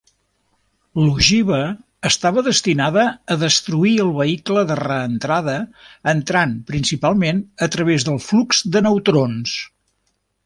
L'ogiva estava destinada a destruir el vehicle de reentrada entrant principalment a través del flux de neutrons.